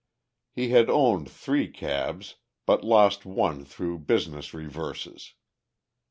He had owned three cabs, but lost one through business reverses.